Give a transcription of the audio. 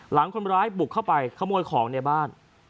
หลังคนร้ายบุกเข้าไปขโมยของในบ้าน